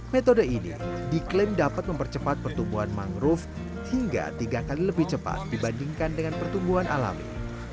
metode ini diklaim dapat mempercepat pertumbuhan mangrove hingga tiga kali lebih cepat dibandingkan dengan pertumbuhan alami